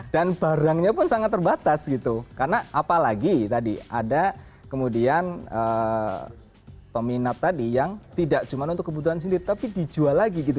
dan barangnya pun sangat terbatas gitu karena apalagi tadi ada kemudian peminat tadi yang tidak cuma untuk kebutuhan sendiri tapi dijual lagi gitu